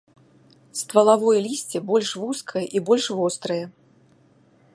Ствалавое лісце больш вузкае і больш вострае.